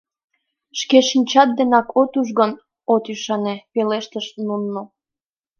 — Шке шинчат денак от уж гын, от ӱшане, — пелештыш Нунну.